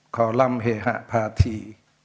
คอลลัมเฮฮาภารที